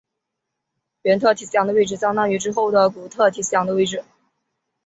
原特提斯洋的位置相当于之后古特提斯洋的位置。